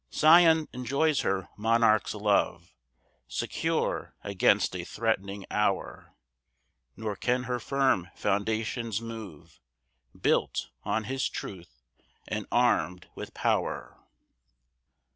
6 Sion enjoys her monarch's love, Secure against a threatening hour; Nor can her firm foundations move, Built on his truth, and arm'd with pow'r.